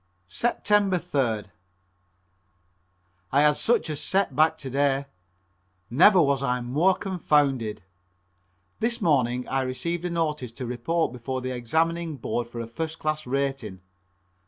Sept. 3d. I had such a set back to day. Never was I more confounded. This morning I received a notice to report before the examining board for a first class rating.